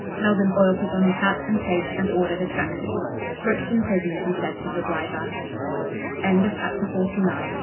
Heldon Foyle put on his hat and coat and ordered a taxi. "Brixton Prison," he said to the driver. CHAPTER L There are many peop